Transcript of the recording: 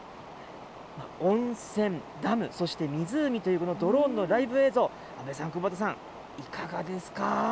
温泉、ダム、そして湖という、このドローンのライブ映像、阿部さん、久保田さん、いかがですか？